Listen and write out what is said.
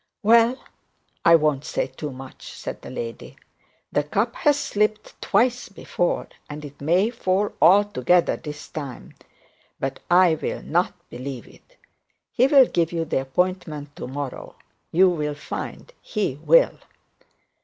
'Well, I won't say too much,' said the lady. 'The cup has slipped twice before, and it may fall altogether this time; but I'll not believe it. He'll give you the appointment to morrow. You'll find he will.'